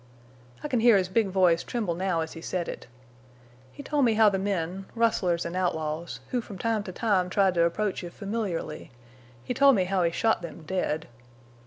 I can hear his big voice tremble now as he said it. He told me how the men—rustlers an' outlaws—who from time to time tried to approach you familiarly—he told me how he shot them dead.